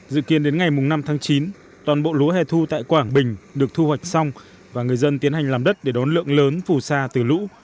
dự kiến đến ngày năm tháng chín toàn bộ lúa hẻ thu tại quảng bình được thu hoạch xong và người dân tiến hành làm đất để đón lượng lớn phù sa từ lũ